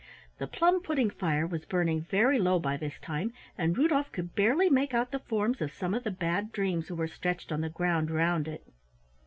The plum pudding fire was burning very low by this time, and Rudolf could barely make out the forms of some of the Bad Dreams who were stretched on the ground around it.